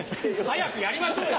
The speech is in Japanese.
早くやりましょうよ！